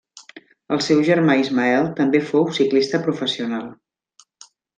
El seu germà Ismael també fou ciclista professional.